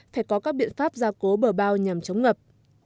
phải có các biện pháp gia cố bờ bao nhằm chống ngập